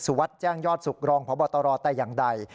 วัดแจ้งยอดสุขรองพบตรแต่อย่างใด